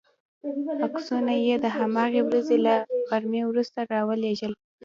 عکسونه یې د هماغې ورځې له غرمې وروسته را ولېږل.